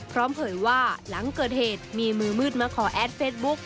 เผยว่าหลังเกิดเหตุมีมือมืดมาขอแอดเฟซบุ๊ก